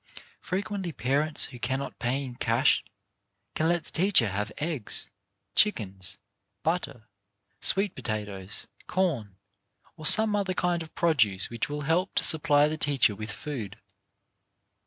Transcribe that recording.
Frequently parents who cannot pay in cash can let the teacher have eggs, chickens, butter, sweet potatoes, corn or some other kind of produce which will help to supply the teacher with food.